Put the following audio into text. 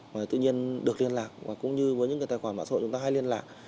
mà tự nhiên được liên lạc và cũng như với những cái tài khoản mạng xã hội chúng ta hay liên lạc